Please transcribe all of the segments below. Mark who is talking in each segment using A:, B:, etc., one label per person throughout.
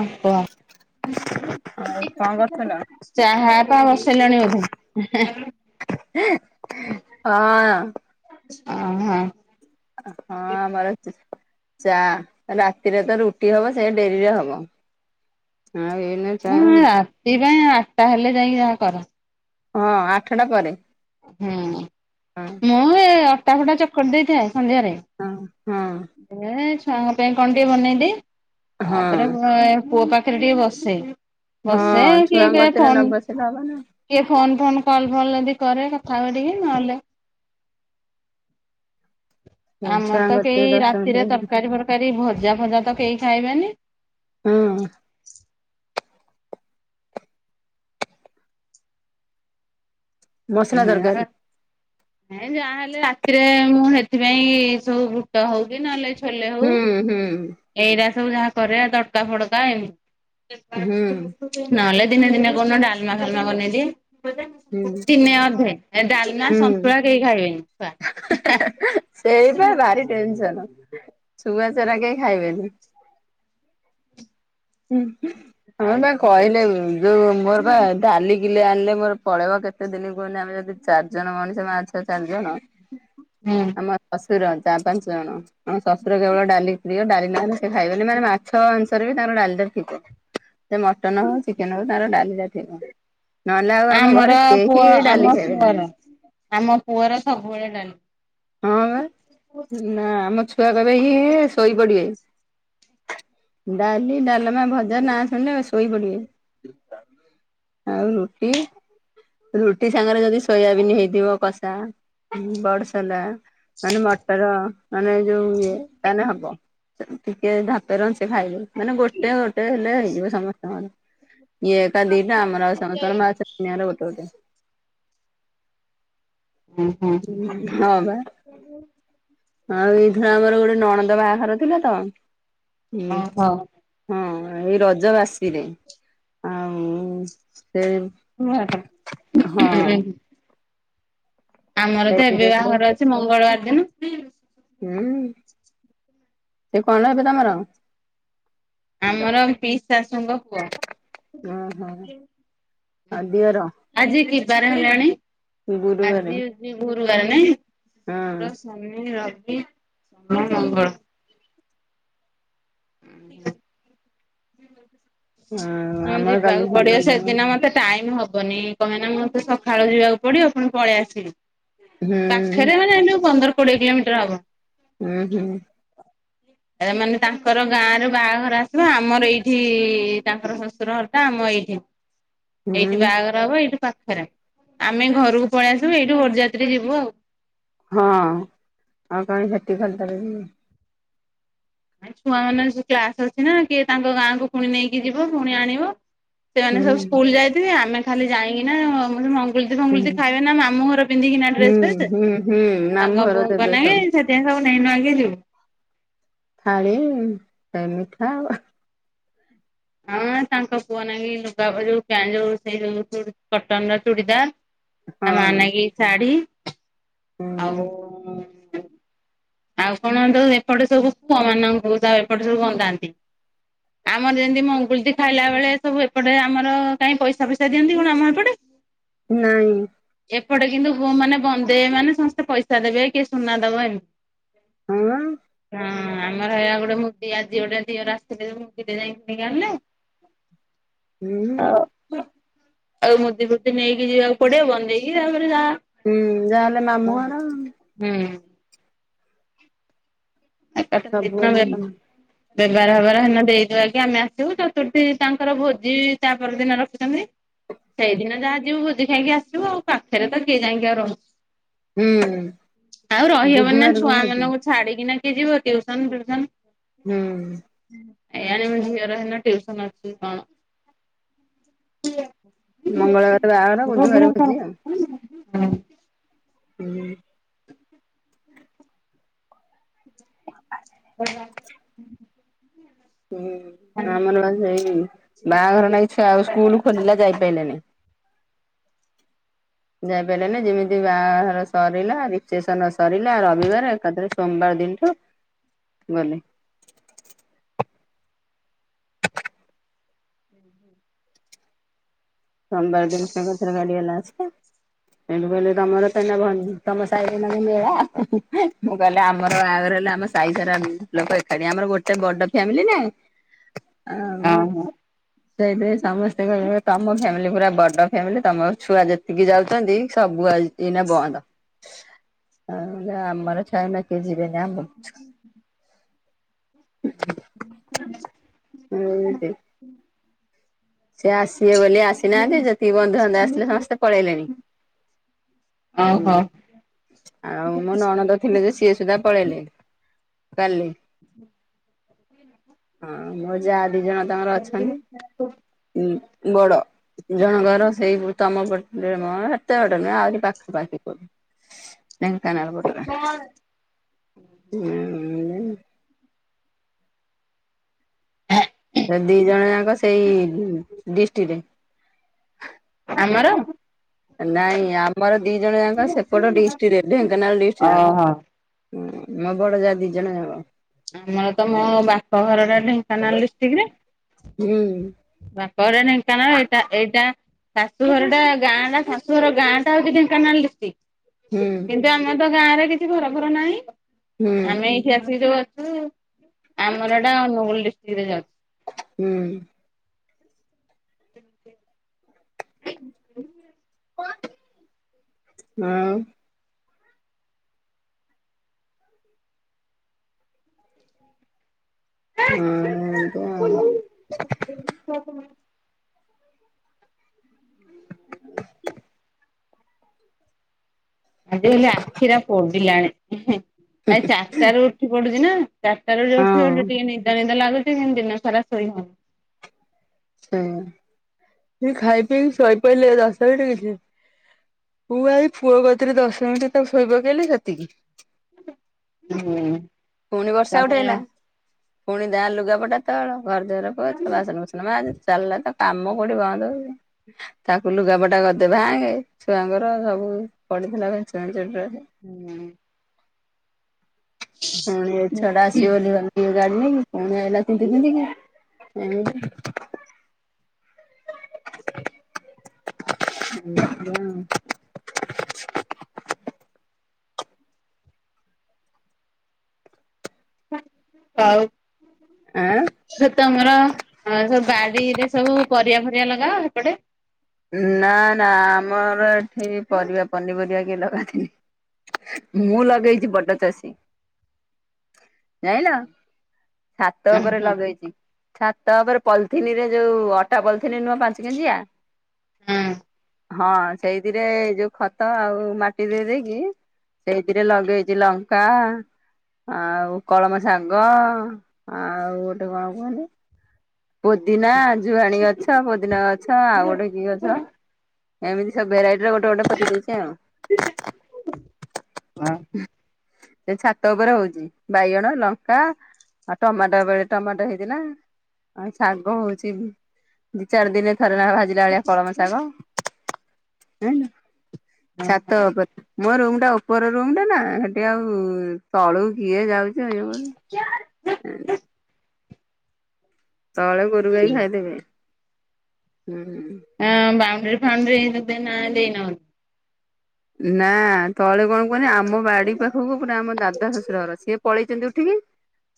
A: ଆପ
B: ଆଉ କଣ କରୁଥିଲ?
A: [unintelligible] ଚାହା ପା ବସେଇଲାଣି ବୋଧେ।
B: ହଁ।
A: ଓ ହଁ।
B: ହଁ ମର ଚା, ରାତିରେ ତ ରୁଟି ହବ, ସେଇ ଡେରିରେ ହବ। ହଁ ଏଇନା ଚା
A: ନା ଆଠଟା ହେଲେ ଯାଇ ଯାହା କର।
B: ହଁ ଆଠଟା ପରେ।
A: ହୁଁ,
B: ହଁ
A: ମୁଁ ଏ ଅଟା ଫଟା ଚକଟି ଦେଇଥାଏ ସନ୍ଧ୍ୟାରେ।
B: ହଁ ହଁ
A: ଏ ଛୁଆଙ୍କ ପାଇଁ କଣ ଟିକେ ବନେଇଦିଏ,
B: ହଁ
A: ତାପରେ ପୁଅ, ପୁଅ ପାଖ ଟିକେ ବସେ। ବସେ
B: ହଁ
A: କିଏ
B: ଛୁଆଙ୍କ
A: କିଏ
B: କତିରେ ନ
A: ଫୋନ
B: ବସିଲେ ହବ ନା
A: କିଏ ଫୋନ ଫାନ କଲ ଫଲ ଯଦି କରେ କଥା ହୁଏ ଟିକେ ନହେଲେ ଆମର
B: ଛୁଆଙ୍କ
A: ତ କେହି
B: କତିରେ ଦଶ
A: ରାତିରେ
B: ମିନିଟ
A: ତରକାରୀ ଫରକାରୀ ଭଜା ଫଜା ତ କେହି ଖାଇବେନି।
B: ହଁ। ମସଲା
A: ହଁ
B: ତରକାରୀ
A: ଯାହା ହେଲେ ରାତିରେ ମୁଁ ସେଥିପାଇଁ ସବୁ ବୁଟ ହଉ କି ନହେଲେ
B: ହୁଁ ହୁଁ।
A: ଏଇଟା ସବୁ ଯାହା କରିବା ତଡକା ଫଡକା
B: ହୁଁ
A: ନହେଲେ ଦିନେ ଦିନେ କଉ ଦିନ ଡାଲମା ଫାଲମା ବନେଇ ଦିଏ
B: ହୁଁ
A: ଦିନେ ଅଧେ ନା ସନ୍ତୁଳା କେହି ଖାଇବେନି ଛୁଆ
B: ସେଇପାଇ ଭାରି ଟେନସନ। ଶୁଗ ଚାରା କେହି ଖାଇବେନି। ହଁ ହ ବା କହିଲେ ଯୋଉ ମୋର ବା ଡାଲି ିଲେ ଆଣିଲେ ମୋର ପଳେଇ କେତେ ଦିନ କୁହନି ଆମେ ଯଦି ଚାର ଜଣ ମଣିଷଛ ଚାାରି ଜଣ
A: ହୁଁ
B: ଆମ ଶଶୁର ଚାର ପାଞ୍ଚ ଜଣ ଶଶୁର କେବଳ ଡାଲି ପ୍ରି ଡାଲି ନହଲେ ସେ ଖାଇଦଲେ ମାନେ ମାଛ ଅନୁସାରେ ବି ତାଙ୍କର ଡାଲି ସେ ମଟନ ହଉ ଚିକେନ ହଉ ତାର ଡାଲିଟା ଥିବ। ନହେଲେ ଆଉ ଆମ
A: ଆମର
B: ଘରେ
A: ପୁଅ
B: କେହି
A: ଆମ
B: ଡାଲି ଖାଇବେନି।
A: ପୁଅର ଆମ ପୁଅର ସବୁବେଳେ ଡାଲମା
B: ହଁ ବା ନା ଆମ ଛୁଆ କବେ ହି ଶୋଇପଡିବେ। ଡାଲି ଡାଲମା ଭଜା ନା ଶୁଣିଲେ ଶୋଇ ପଡିବେ। ଆଉ ରୁଟି ରୁଟି ସାଙ୍ଗରେ ଯଦି ସୋୟାବିନ୍ ହେଇଥିବ କଷା ବର୍ଷ ଲା ମାନେ ମଟର ମାନେ ଯୋଉ ଇଏ ତାାନେ ହବ। ଟିକେ ଧାପେ ର ସେ ଖାଇବେ ମାନେ ଗୋଟେ ଗୋଟେ ହେଲେ ହେଇଯିବ ସମସ୍ତଙ୍କର। [unintelligible]
A: ହୁଁ ହୁଁ।
B: ହଁ ବା ଆଉ ଏଇଥର ଆମର ଗୋଟେ ନଣନ୍ଦ ବାହାଘର ଥିଲା ତ ହୁଁ
A: ହଉ
B: ହଁ। ଏଇ ରଜ ବାସିରେ ଆଉ ସେ ହଁ।
A: ଆମର ତ
B: ସେଇଥିରେ
A: ଏବେ
B: ପୁରା
A: ବାହାଘର ଅଛି ମଙ୍ଗଳବାର ଦିନ।
B: ହୁଁ ସେ କଣ ହେବେ ତମର?
A: ଶାଶୂଙ୍କ ପୁଅ।
B: ଓହୋ ଆଉ ଦିଅର
A: ଆଜି କିିବାର ହେଲାଣି
B: ଗୁରୁବାରେ
A: ଆଜିଛି ଭୋରୁ ନ
B: ହଁ
A: ଶୁକ୍ର ଶନି ରବି ସୋନ ମଙ୍ଗଳ [unintelligible]
B: ହଁ
A: ହୁଁ
B: ଆମର କାଲି
A: ଯିବାକୁ
B: ସେମିତି
A: ପଡିବ
B: ଜଣେ
A: ସେଦିନ ମତେ ଟାଇମ ହବ ହବନି କହେ ନା ମଁ ତ ସକାଳୁ ଯିବାକୁ ପଡିବ ପୁଣି ପଳେଇ ଆସିବି।
B: ହୁଁ
A: ପାଖରେ ମାନେ ଏ ପନ୍ଦର କୋଡିଏ କିଲୋମିଟର ହବ।
B: ହୁଁ ହ।
A: ମାନେ ତାଙ୍କର ଗାଁ ର ବାହାଘର ଆସିବ ଆମର ଏଇଠି ତାଙ୍କର ଶ୍ୱଶୁର ଘରଟା ଆମ ଏଇଠି
B: ହୁଁ
A: ଏଇଠି ବାହାଘର ହବ ଏଇଠି ପାଖରେ ଆମେ ଘରକୁ ପଳେଇ ଆସିବୁ ଏଇଠୁ ବରଯାତ୍ରୀ ଯିବୁ ଆଉ।
B: ହଁ ଆଉ କାହିଁ ଖାଲି ଟାରେ ସେଠାକୁ ଯିବ।
A: ଛୁଆ ମାନ ଯ କ୍ଲାସ ଅଛି ନା କିଏ ତାଙ୍କ ଗାଁକୁ ପୁଣି ନେଇକି ଯିବ ପୁଣି ଆଣିବ
B: ହୁଁ
A: ସେମାନେ ସବୁ ସ୍କୁଲ ଯାଇଥିବେ ଆମେ ଖାଲି ଯାଇକିନା ଙ୍ଗ
B: ହୁଁ
A: ଫଙ୍ଗୁଲ ଖାଇବେ ନା ମାମୁ ଘର ପିନ୍ଧିକିନା
B: ହୁଁ
A: ଡ୍ରେସ ଫ୍ରେସ
B: ହୁଁ ହୁଁ
A: ତାଙ୍କ
B: ମାମୁଁଘର
A: ବୋଙ୍କ
B: ଦେବେ
A: ନ
B: ସବୁ
A: ସେଥିାଇଁୁ [unintelligible]
B: ଥାଳି ସେ ମିଠା ଆଉ
A: ହଁ ତାଙ୍କ ପୁଅ ନା ଲୁଗା ଯୋଉ ଯୋଉ ସେ ଯୋଉ କଟନ ର ଚୁଡ଼ିଦାର
B: ହଁ
A: ଆମାନାଗ ଶାଢ଼ୀ
B: ହୁଁ
A: ଆଉ ଆଉ କଣ ତ ଏପଟେ ସବୁ ପୁଅ ମାନଙ୍କୁ ଆଉ ଏପଟେ ସବୁ ବନ୍ଦାନ୍ତି। ଆମର ଯେମିତି ମଙ୍ଗୁଳିତି ଖାଇଲା ବେଳେ ସବୁ ଏପଟେ ଆମର କାଇହିଁ ପଇସା ଫଇସା ଦିଅନ୍ତି କଣ ଆମ ଏପଟେ।
B: ନାଇଁ।
A: ଏପଟେ କିନ୍ତୁ ମାନେ ବଧେଇବେ ମାନେ ସମସ୍ତେ ପଇସା ଦେବେ କିଏ ସୁନା ଦେବ ଏମିତି।
B: ହଁ।
A: ହଁ ଆମର ହେଇ ଗୋଟେ ମୁଦି ଆଜି ଗୋଟେ ଦିଅର ଆସିଥିଲେ ଯେ ମୁଦି ଟେ ଯାଇକି କିଣି ଆଣିଲେ।
B: ହୁଁ।
A: ଆଉ ମୁଦି ଫୁତି ନେଇକି ଯିବାକୁ ପଡିବ ବନ୍ଦେକି ଆଉ।
B: ହୁଁ ଯାହାହେଲେ ମାମୁଁଘର
A: ହୁଁ।
B: ସବୁବେଳେ ତମ
A: [unintelligible] ବ୍ୟବାର ଫେବାର ହେନ ଦେଇଦୁଆକି ଆମେ ଆସିବୁ ଚତୁର୍ଥୀ ତାଙ୍କର ଭୋଜି ତା ପରଦିନ ରଖୁଛନ୍ତି। ସେଇଦିନ ଯାହା ଯିବୁ ଭୋଜି ଖାଇକି ଆସିବୁ ଆଉ ପାଖରେ ତ କିଏ ଯାଇକି ଆଉ ରହଉଚି।
B: ହୁଁ
A: ଆଉ ରହିହବ ନା
B: ବୁଧବାରକୁ
A: ଛୁଆ
B: ଭୋଜି
A: ମାନଙ୍କୁ ଛାଡିକିନା। କିଏ ଯିବ ଟିଉ୍ୟସନ ଫିଉ୍ୟସନ।
B: ହୁଁ
A: କେଜାଣି ମୋ ମଝିଆର ହେଦିନ ଟିଉ୍ୟସନ ଅଛି କି କଣ।
B: ମଙ୍ଗଳବାର ବାହାଘର ବୁଧବାର ଭୋଜି ଆଉ
A: [inaudible]
B: ହୁଁ।
A: ଆଁ ହାଁ।
B: ହୁଁ ଆମର ସେଇ ବାହାଘର ନାଇ ଛୁଆ ଆଉ ସ୍କୁଲ ଖୋଲିଲା ଯାଇ। ପାଇଲେନି। ଯାଇପାରିଲ ନା ଯେମିତି ବାହାର ସରିଲା ରିକେସନ ସରିଲା ରବିବାର ଏକାଥରେ ସୋମବାର। ଦିନଠୁ ଗଲେ।
A: ହୁଁ ହୁଁ
B: ସୋମବାର ଦିନ କ କଥରେ ଗାଡି ବଲା ଅଛ। ସେୁ କହିଲେ ତମର ସେ ତମ ସାହି ମାନେ ମେଳା ମୁଁ କହିଲେ ଆମର ଵା ଆମ ସାଇ ସାରା ଲୋକ ଏକାଠି ଆମର ଗୋଟେ ବଡ ଫ୍ୟାମିଲି ନାଇଁ। ଆଉ ସେଇଥିାଇଁ ସମସ୍ତେ କହ ତମ। ଫ୍ୟାମିଲି ପୁରା ବଡ ଫ୍ୟାମିଲି ତମର ଛୁଆ ଯେତିକି ଯାଉଛନ୍ତି ସବୁନା ବନ୍ଦ। ଆ ଆମର ସାଇନ କେଜି [inaudible]
A: [inaudible]
B: ସେ ଆସିବେ ବୋଲି ଆସିନାହାନ୍ତି ଯେତିକି ବନ୍ଧୁବାନ୍ଧ ଆସିଲେ ସମସ୍ତେ ପଳେଇଲେଣି। ହୁଁ
A: ଓହୋ।
B: ଆଉ ମୋ ନଣନ୍ଦ ଥିଲେ ଯେ ସିଏ ସୁଦ୍ଧା ପଳେଇଲେ କାଲି।
A: ହଁ।
B: ହଁ ମୋ ଯାହା ଦି ଜଣ ତାଙ୍କର ଅଛନ୍ତି। ବଡ ଜଣ ଘର ସେଇ ତମପଟେ ମ। ଏତେ ବାଟ ନୁହଁ ଆହୁରି ପାଖ ପାାଖି କରୁ। କାଣା ଆଉ କହୁଥିଲା। ସେ ଦି ଜଣ ଯାକ ସେଇ ଡିଷ୍ଟିକରେ।
A: ଆମର।
B: ନାଇଁ ଆମର ଦି ଜଣ ଯାଙ୍କ ସେପଟ ଡିଷ୍ଟିରେ ଢେଙ୍କାନାଳ ଡିଷ୍ଟିରେ।
A: ଓହୋ
B: ହଁ ମୋ ବଡ ଯା ଦି ଜଣ ହବ।
A: ଆମର ତ ମୋ ବାପଘର ଟା ଢେଙ୍କାନାଳ ଡିଷ୍ଟିକରେ।
B: ହୁଁ।
A: ପରେ ଢେଙ୍କାନାଳ ଏଟା ଏଇଟା। ଶାଶୁ ଘର ଟା ଗାଁ ଟା ଶାଶୁଘର ଗାଁ ଟା ହଉଛି ଢେଙ୍କାନାଳ ଡିଷ୍ଟିକ।
B: ହୁଁ
A: କିନ୍ତୁ ଆମ ତ ଗାଁରେ କିଛି ଘର ଘର ନାହିଁ
B: ହୁଁ
A: ଆମେ ଏଇଠି ଆସିିକି ଯୋଉ। ଆମର ଏଟା ଅନୁଗୁଳ ଡିଷ୍ଟ୍ରିକ୍ଟ ରେ ଯାଉଛି।
B: ହୁଁ।
A: ହ [inaudible] [inaudible]
B: [inaudible] ଉୁଁ। ଉଁ ଏମତି ଆଉ। [inaudible] [inaudible]
A: ଆଜି ଆଲି ଆଖିରା ପୋଡିଲାଣି, ଆ ଚାରଟା ରୁ ଉଠି ପଡୁଚ଼ି ନା। ଚାଟା ରୁ ଯୋଉ ଉଠି
B: ହଁ
A: ପଡୁଚି ନିଦ ନିଦ ଲାଗୁଚ଼ି କିନ୍ତୁ ଦିନ ସାରା ଶୋଇ ହଉ
B: ଉୁଁ ଖାଇ ପି କି ଶୋଇ ପଇଲେ ଦଶ ମିନିଟ୍ କିଛି ଉ ଏଇ ଫୁଅ କତିରେ ଦଶମିଣ୍ଟି ତାକୁ ଶୋଇ ପକେଇଲି ସେତିକି।
A: ହୁଁ
B: ଉଠେଇଲା।
A: ସମୟ।
B: ପୁଣି ଦା ଲୁଗାପଟା ତଳ, ଘର ଦ୍ଵାର ପୋଛ, ବାସନ ଫୁସନ ମାଜେ। ଚାଲ୍ ଲା ତ କାମ କୋଉଠି ବନ୍ଦ ହଉ ତାକୁ ଲୁଗାପଟା ଗଦେ ଭାଙ୍ଗେ ଛୁଆଙ୍କର ସବୁ। ଉୁଁ ପଡିଥିଲା ମେଞ୍ଚେ ମେଞ୍ଚେ ଡ୍ରେ
A: ହୁଁ
B: ଉୁଁ ଏ ଛଡା ଆସିବ [unintelligible] ଗାଡି ନେଇ ପୁଣି ଆଇଲା ତିନ୍ତି ତିନ୍ତି କି ଏମିତି। [inaudible] ଆଉ। [inaudible]
A: ଆଉ।
B: ଆଁ
A: ସେ ତମର ଅ ସବୁ ବାଡିରେ ସବୁ ପରିବା ଦିଅ ଲଗାଅ ଏପଟେ।
B: ନା ନା ଆମର ଏଠି ପରିବା ପନିପରିବା କିଏ ଲଗାନ୍ତିନି। ମୁଁ ଲଗେଇଚ଼ି ବଡ଼ ଚାଷୀ। ଜାଇଁଲ ଛାତ
A: ହଁ
B: ଉପରେ
A: ହଁ
B: ଲଗେଇଚ଼ି। ଛାତ ଉପରେ ପଲଥିନି ରେ ଯୋଉ ଅଟା ପଲଥିନି ନୂଅ ପାଞ୍ଚ କେଜିଆ
A: ଅଁ।
B: ହଁ ସେଇଥିରେ ଯୋଉ ଖତ ଆଉ ମାଟି ଦେଇ ଦେଇକି ସେଇତିରେ ଲଗେଇଚ଼ି ଲଙ୍କା ଆଉ କଳମ ଶାଗ ଆଉ ଗୋଟେ କଣ କୁହନ୍ତି? ପୋଦିନା, ଜୁଆଣୀ ଗଛ, ପୋଦିନା ଗଛ ଆଉ ଗୋଟେ କି ଗଛ? ଏମିତି ସବୁ ବେରାଇଟିର ଗୋଟେ ଗୋଟେ ପକେଇ ଦେଇଛି ଆଉ।
A: [inaudible]
B: ସେ ଛାତ ଉପରେ ହଉଚ଼ି ବାଇଗଣ, ଲଙ୍କା ଆଉ ଟମାଟୋ ବେଳେ ଟମାଟୋ ହେଇଥିଲା। ଆଉ ଶାଗ ହଉଚ଼ି ଦି ଚାରି ଦିନେ ଥରେ ନେଖା ଭାଜିଲା ଭଳିଆ କଳମ ଶାଗ। ଛାତ ଉପରେ ମୋ ରୁମ୍ ଟା ଓପର ରୁମ୍ ଟା ନା ସେଠି ଆଉ ତଳୁ କିଏ ଯାଉଚ଼ି ଏଇ
A: କ୍ୟାର୍।
B: [inaudible] ତଳେ ଗୋରୁ ଗାଈ
A: ହଁ
B: ଖାଇଦେବେ। ହୁଁ
A: ଅଁ ବଉଣ୍ଡିରି ଫାଉଣ୍ଡିରି ନା ଦେଇନ
B: ନା ତଳେ କଣ କୁହନି ଆମ ବାଡି ପାଖକୁ ପୁରା ଆମ ଦାଦା ଶଶୁର ଘର। ସିଏ ପଳେଇଚ଼ିନ୍ତି ଉଠିକି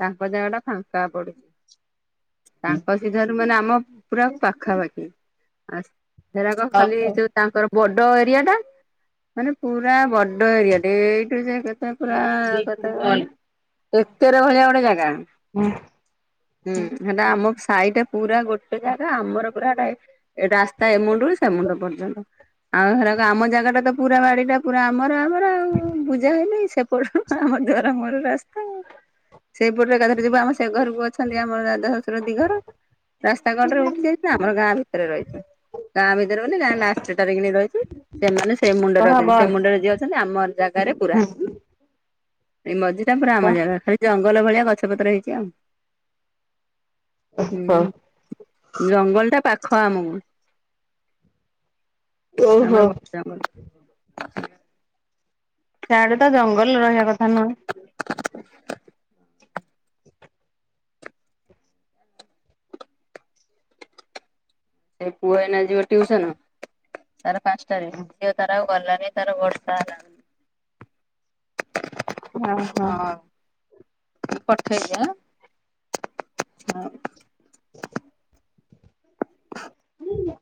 B: ତାଙ୍କ ଜାଗା ଟା ଫାଙ୍କା ପଡ଼ି ତାଙ୍କ ସିଧାରୁ ମାନେ ଆମ ପୁରା ପାଖାପାଖି, ଆସ୍ ସେରାକ ଖାଲି
A: ଓହୋ।
B: ଯୋଉ ତାଙ୍କର ବଡ ଏରିଆ ଟା। ମାନେ ପୁରା ବଡ ଏରିଆ ଟେ ଏଇଠୁ ଯେ କେତ୍ ପୁରା କେତେ କଅନି ଏକେରେ ଭଳିଆ ଗୋଟେ ଜାଗା। ଉୁଁ ସେଟା ଆମ ସାହିଟା ପୁରା ଗୋଟେ ଜାଗା ଆମର ପୁରା ଏଟା ଏ ରାସ୍ତା ଏମୁଣ୍ଡରୁ ସେମୁଣ୍ଡ ପର୍ଯ୍ୟନ୍ତ। ଆଉ ସେରାକ ଆମ ଜାଗା ଟା ତ ପୁରା ବାଡି ଟା ପୁରା ଆମର ଆମର ଆଉ ପୂଜା ହେଇନି। ସି୍ ସେପଟୁ ଆମ ଦୂଆର ମୁଁହର ରାସ୍ତା ଆଉ। ସେପଟୁ ଏକାଥ ଯିବୁ ଆମ ସେ ଘରୁକୁ ଅଛନ୍ତି ଆମର ଦାଦା ଶଶୁର ଦିଘର। ରାସ୍ତା କଡ଼ରେ ଉଠି ଯାଇଚନି। ଆମର ଗାଁ ଭିତରେ ରଇଚୁଁ। ଗାଁ ଭିତରେ ମାନେ ଗାଁ ଲଷ୍ଟେଟାରେ କିନି ରଇଚୁଁ ସେମାନେ ତେ ମୁଣ୍ଡରେ
A: କହ
B: ଅଛନ୍ତି
A: ବଲ
B: ସେ ମୁଣ୍ଡରେ ଯିଏ ଅଛନ୍ତି ଆମ ଜାଗାରେ ପୁରା। ଏଇ ମଝି ଟା ପୁରା ଆମ
A: କହ।
B: ଜାଗା। ଖାଲି ଜଙ୍ଗଲ ଭଳିଆ ଗଛ ପତ୍ର ହେଇଚି ଆଉ। ହୁଁ ଜଙ୍ଗଲଟା ପାଖ ଆମୁକୁ।
A: ଓହୋ
B: ଆମର ବଟାମ। ହୁଁ।
A: ସ୍ୟାଡ଼େ ତ ଜଙ୍ଗଲ ରହିବା କଥା ନୁହଁ।
B: ଏ ପୁଅ ଏନା ଯିବ ଟ୍ୟୁସନ୍। ତାର ପାଁଶଟାରେ। ଝିଅ ତାର ଆଉ ଗଲାନେଇ ତାର ବର୍ଷା ଲାଇ
A: ଅହ।
B: ପଠେଇ ଦିଅ ହଉ।